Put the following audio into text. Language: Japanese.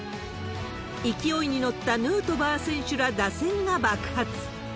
勢いに乗ったヌートバー選手ら打線が爆発。